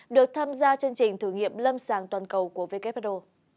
được tham gia chương trình thử nghiệm lâm sàng toàn cầu của who